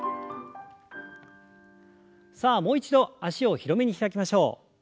さあもう一度脚を広めに開きましょう。